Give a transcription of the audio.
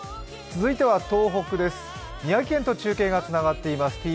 続いては東北です、宮城県と中継がつながっています。